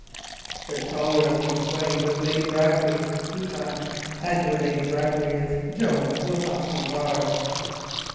"The taller of these twain was Lady Brackley," he thought; "and where Lady Brackley is, Joan will not be far."